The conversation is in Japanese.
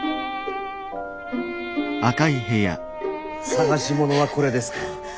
探し物はこれですか？